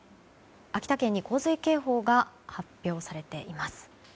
秋田県に洪水警報が発表されています。